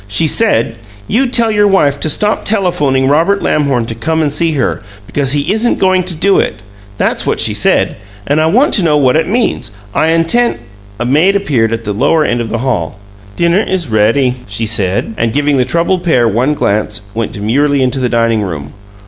"She said, 'You tell your wife to stop telephoning Robert Lamhorn to come and see her, because he isn't going to do it!' That's what she said! And I want to know what it means. I intend " A maid appeared at the lower end of the hall. "Dinner is ready," she said, and, giving the troubled pair one glance, went demurely into the dining room.